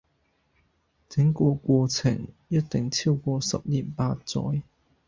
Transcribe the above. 整個過程一定超過十年八載